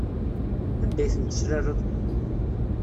Anda ay ten-teslaleḍ?